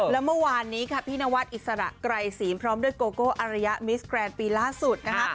แล้วเมื่อวานนี้ค่ะพี่นวัดอิสระไกรศีลพร้อมด้วยโกโก้อารยะมิสแกรนด์ปีล่าสุดนะคะ